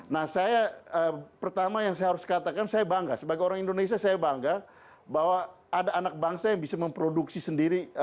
nah saya pertama yang saya harus katakan saya bangga sebagai orang indonesia saya bangga bahwa ada anak bangsa yang bisa memproduksi sendiri